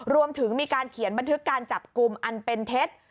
รวมถึงมีการเขียนบันทึกการจับกลุ่มอันเป็นเท็จ